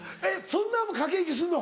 そんなんも駆け引きすんの。